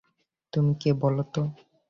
তুমি কে বলো তো?